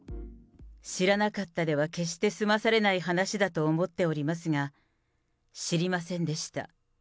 知らなかったでは決して済まされない話だと思っておりますが、知りませんでした。